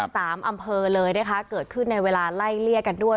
สามอำเภอเลยนะคะเกิดขึ้นในเวลาไล่เลี่ยกันด้วย